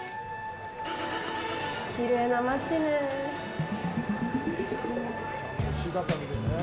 きれいな街ね。